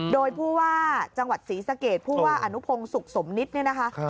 โดยผู้ว่าจังหวัดศรีสะเกดผู้ว่าอนุพงศ์สุขสมนิตเนี่ยนะคะ